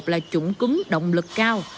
là chủng cúm động lực cao